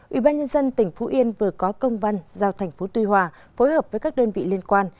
ủy ban nhân dân tỉnh phú yên vừa có công văn giao thành phố tuy hòa phối hợp với các đơn vị liên quan